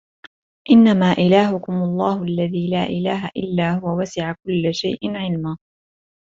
إِنَّمَا إِلَهُكُمُ اللَّهُ الَّذِي لَا إِلَهَ إِلَّا هُوَ وَسِعَ كُلَّ شَيْءٍ عِلْمًا